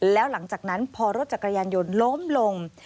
แล้วหลังจากนั้นพอรถจักรยานยนต์ล้มลง